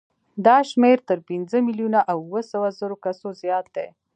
دا شمېر تر پنځه میلیونه او اوه سوه زرو کسو زیات دی.